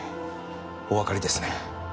おわかりですね。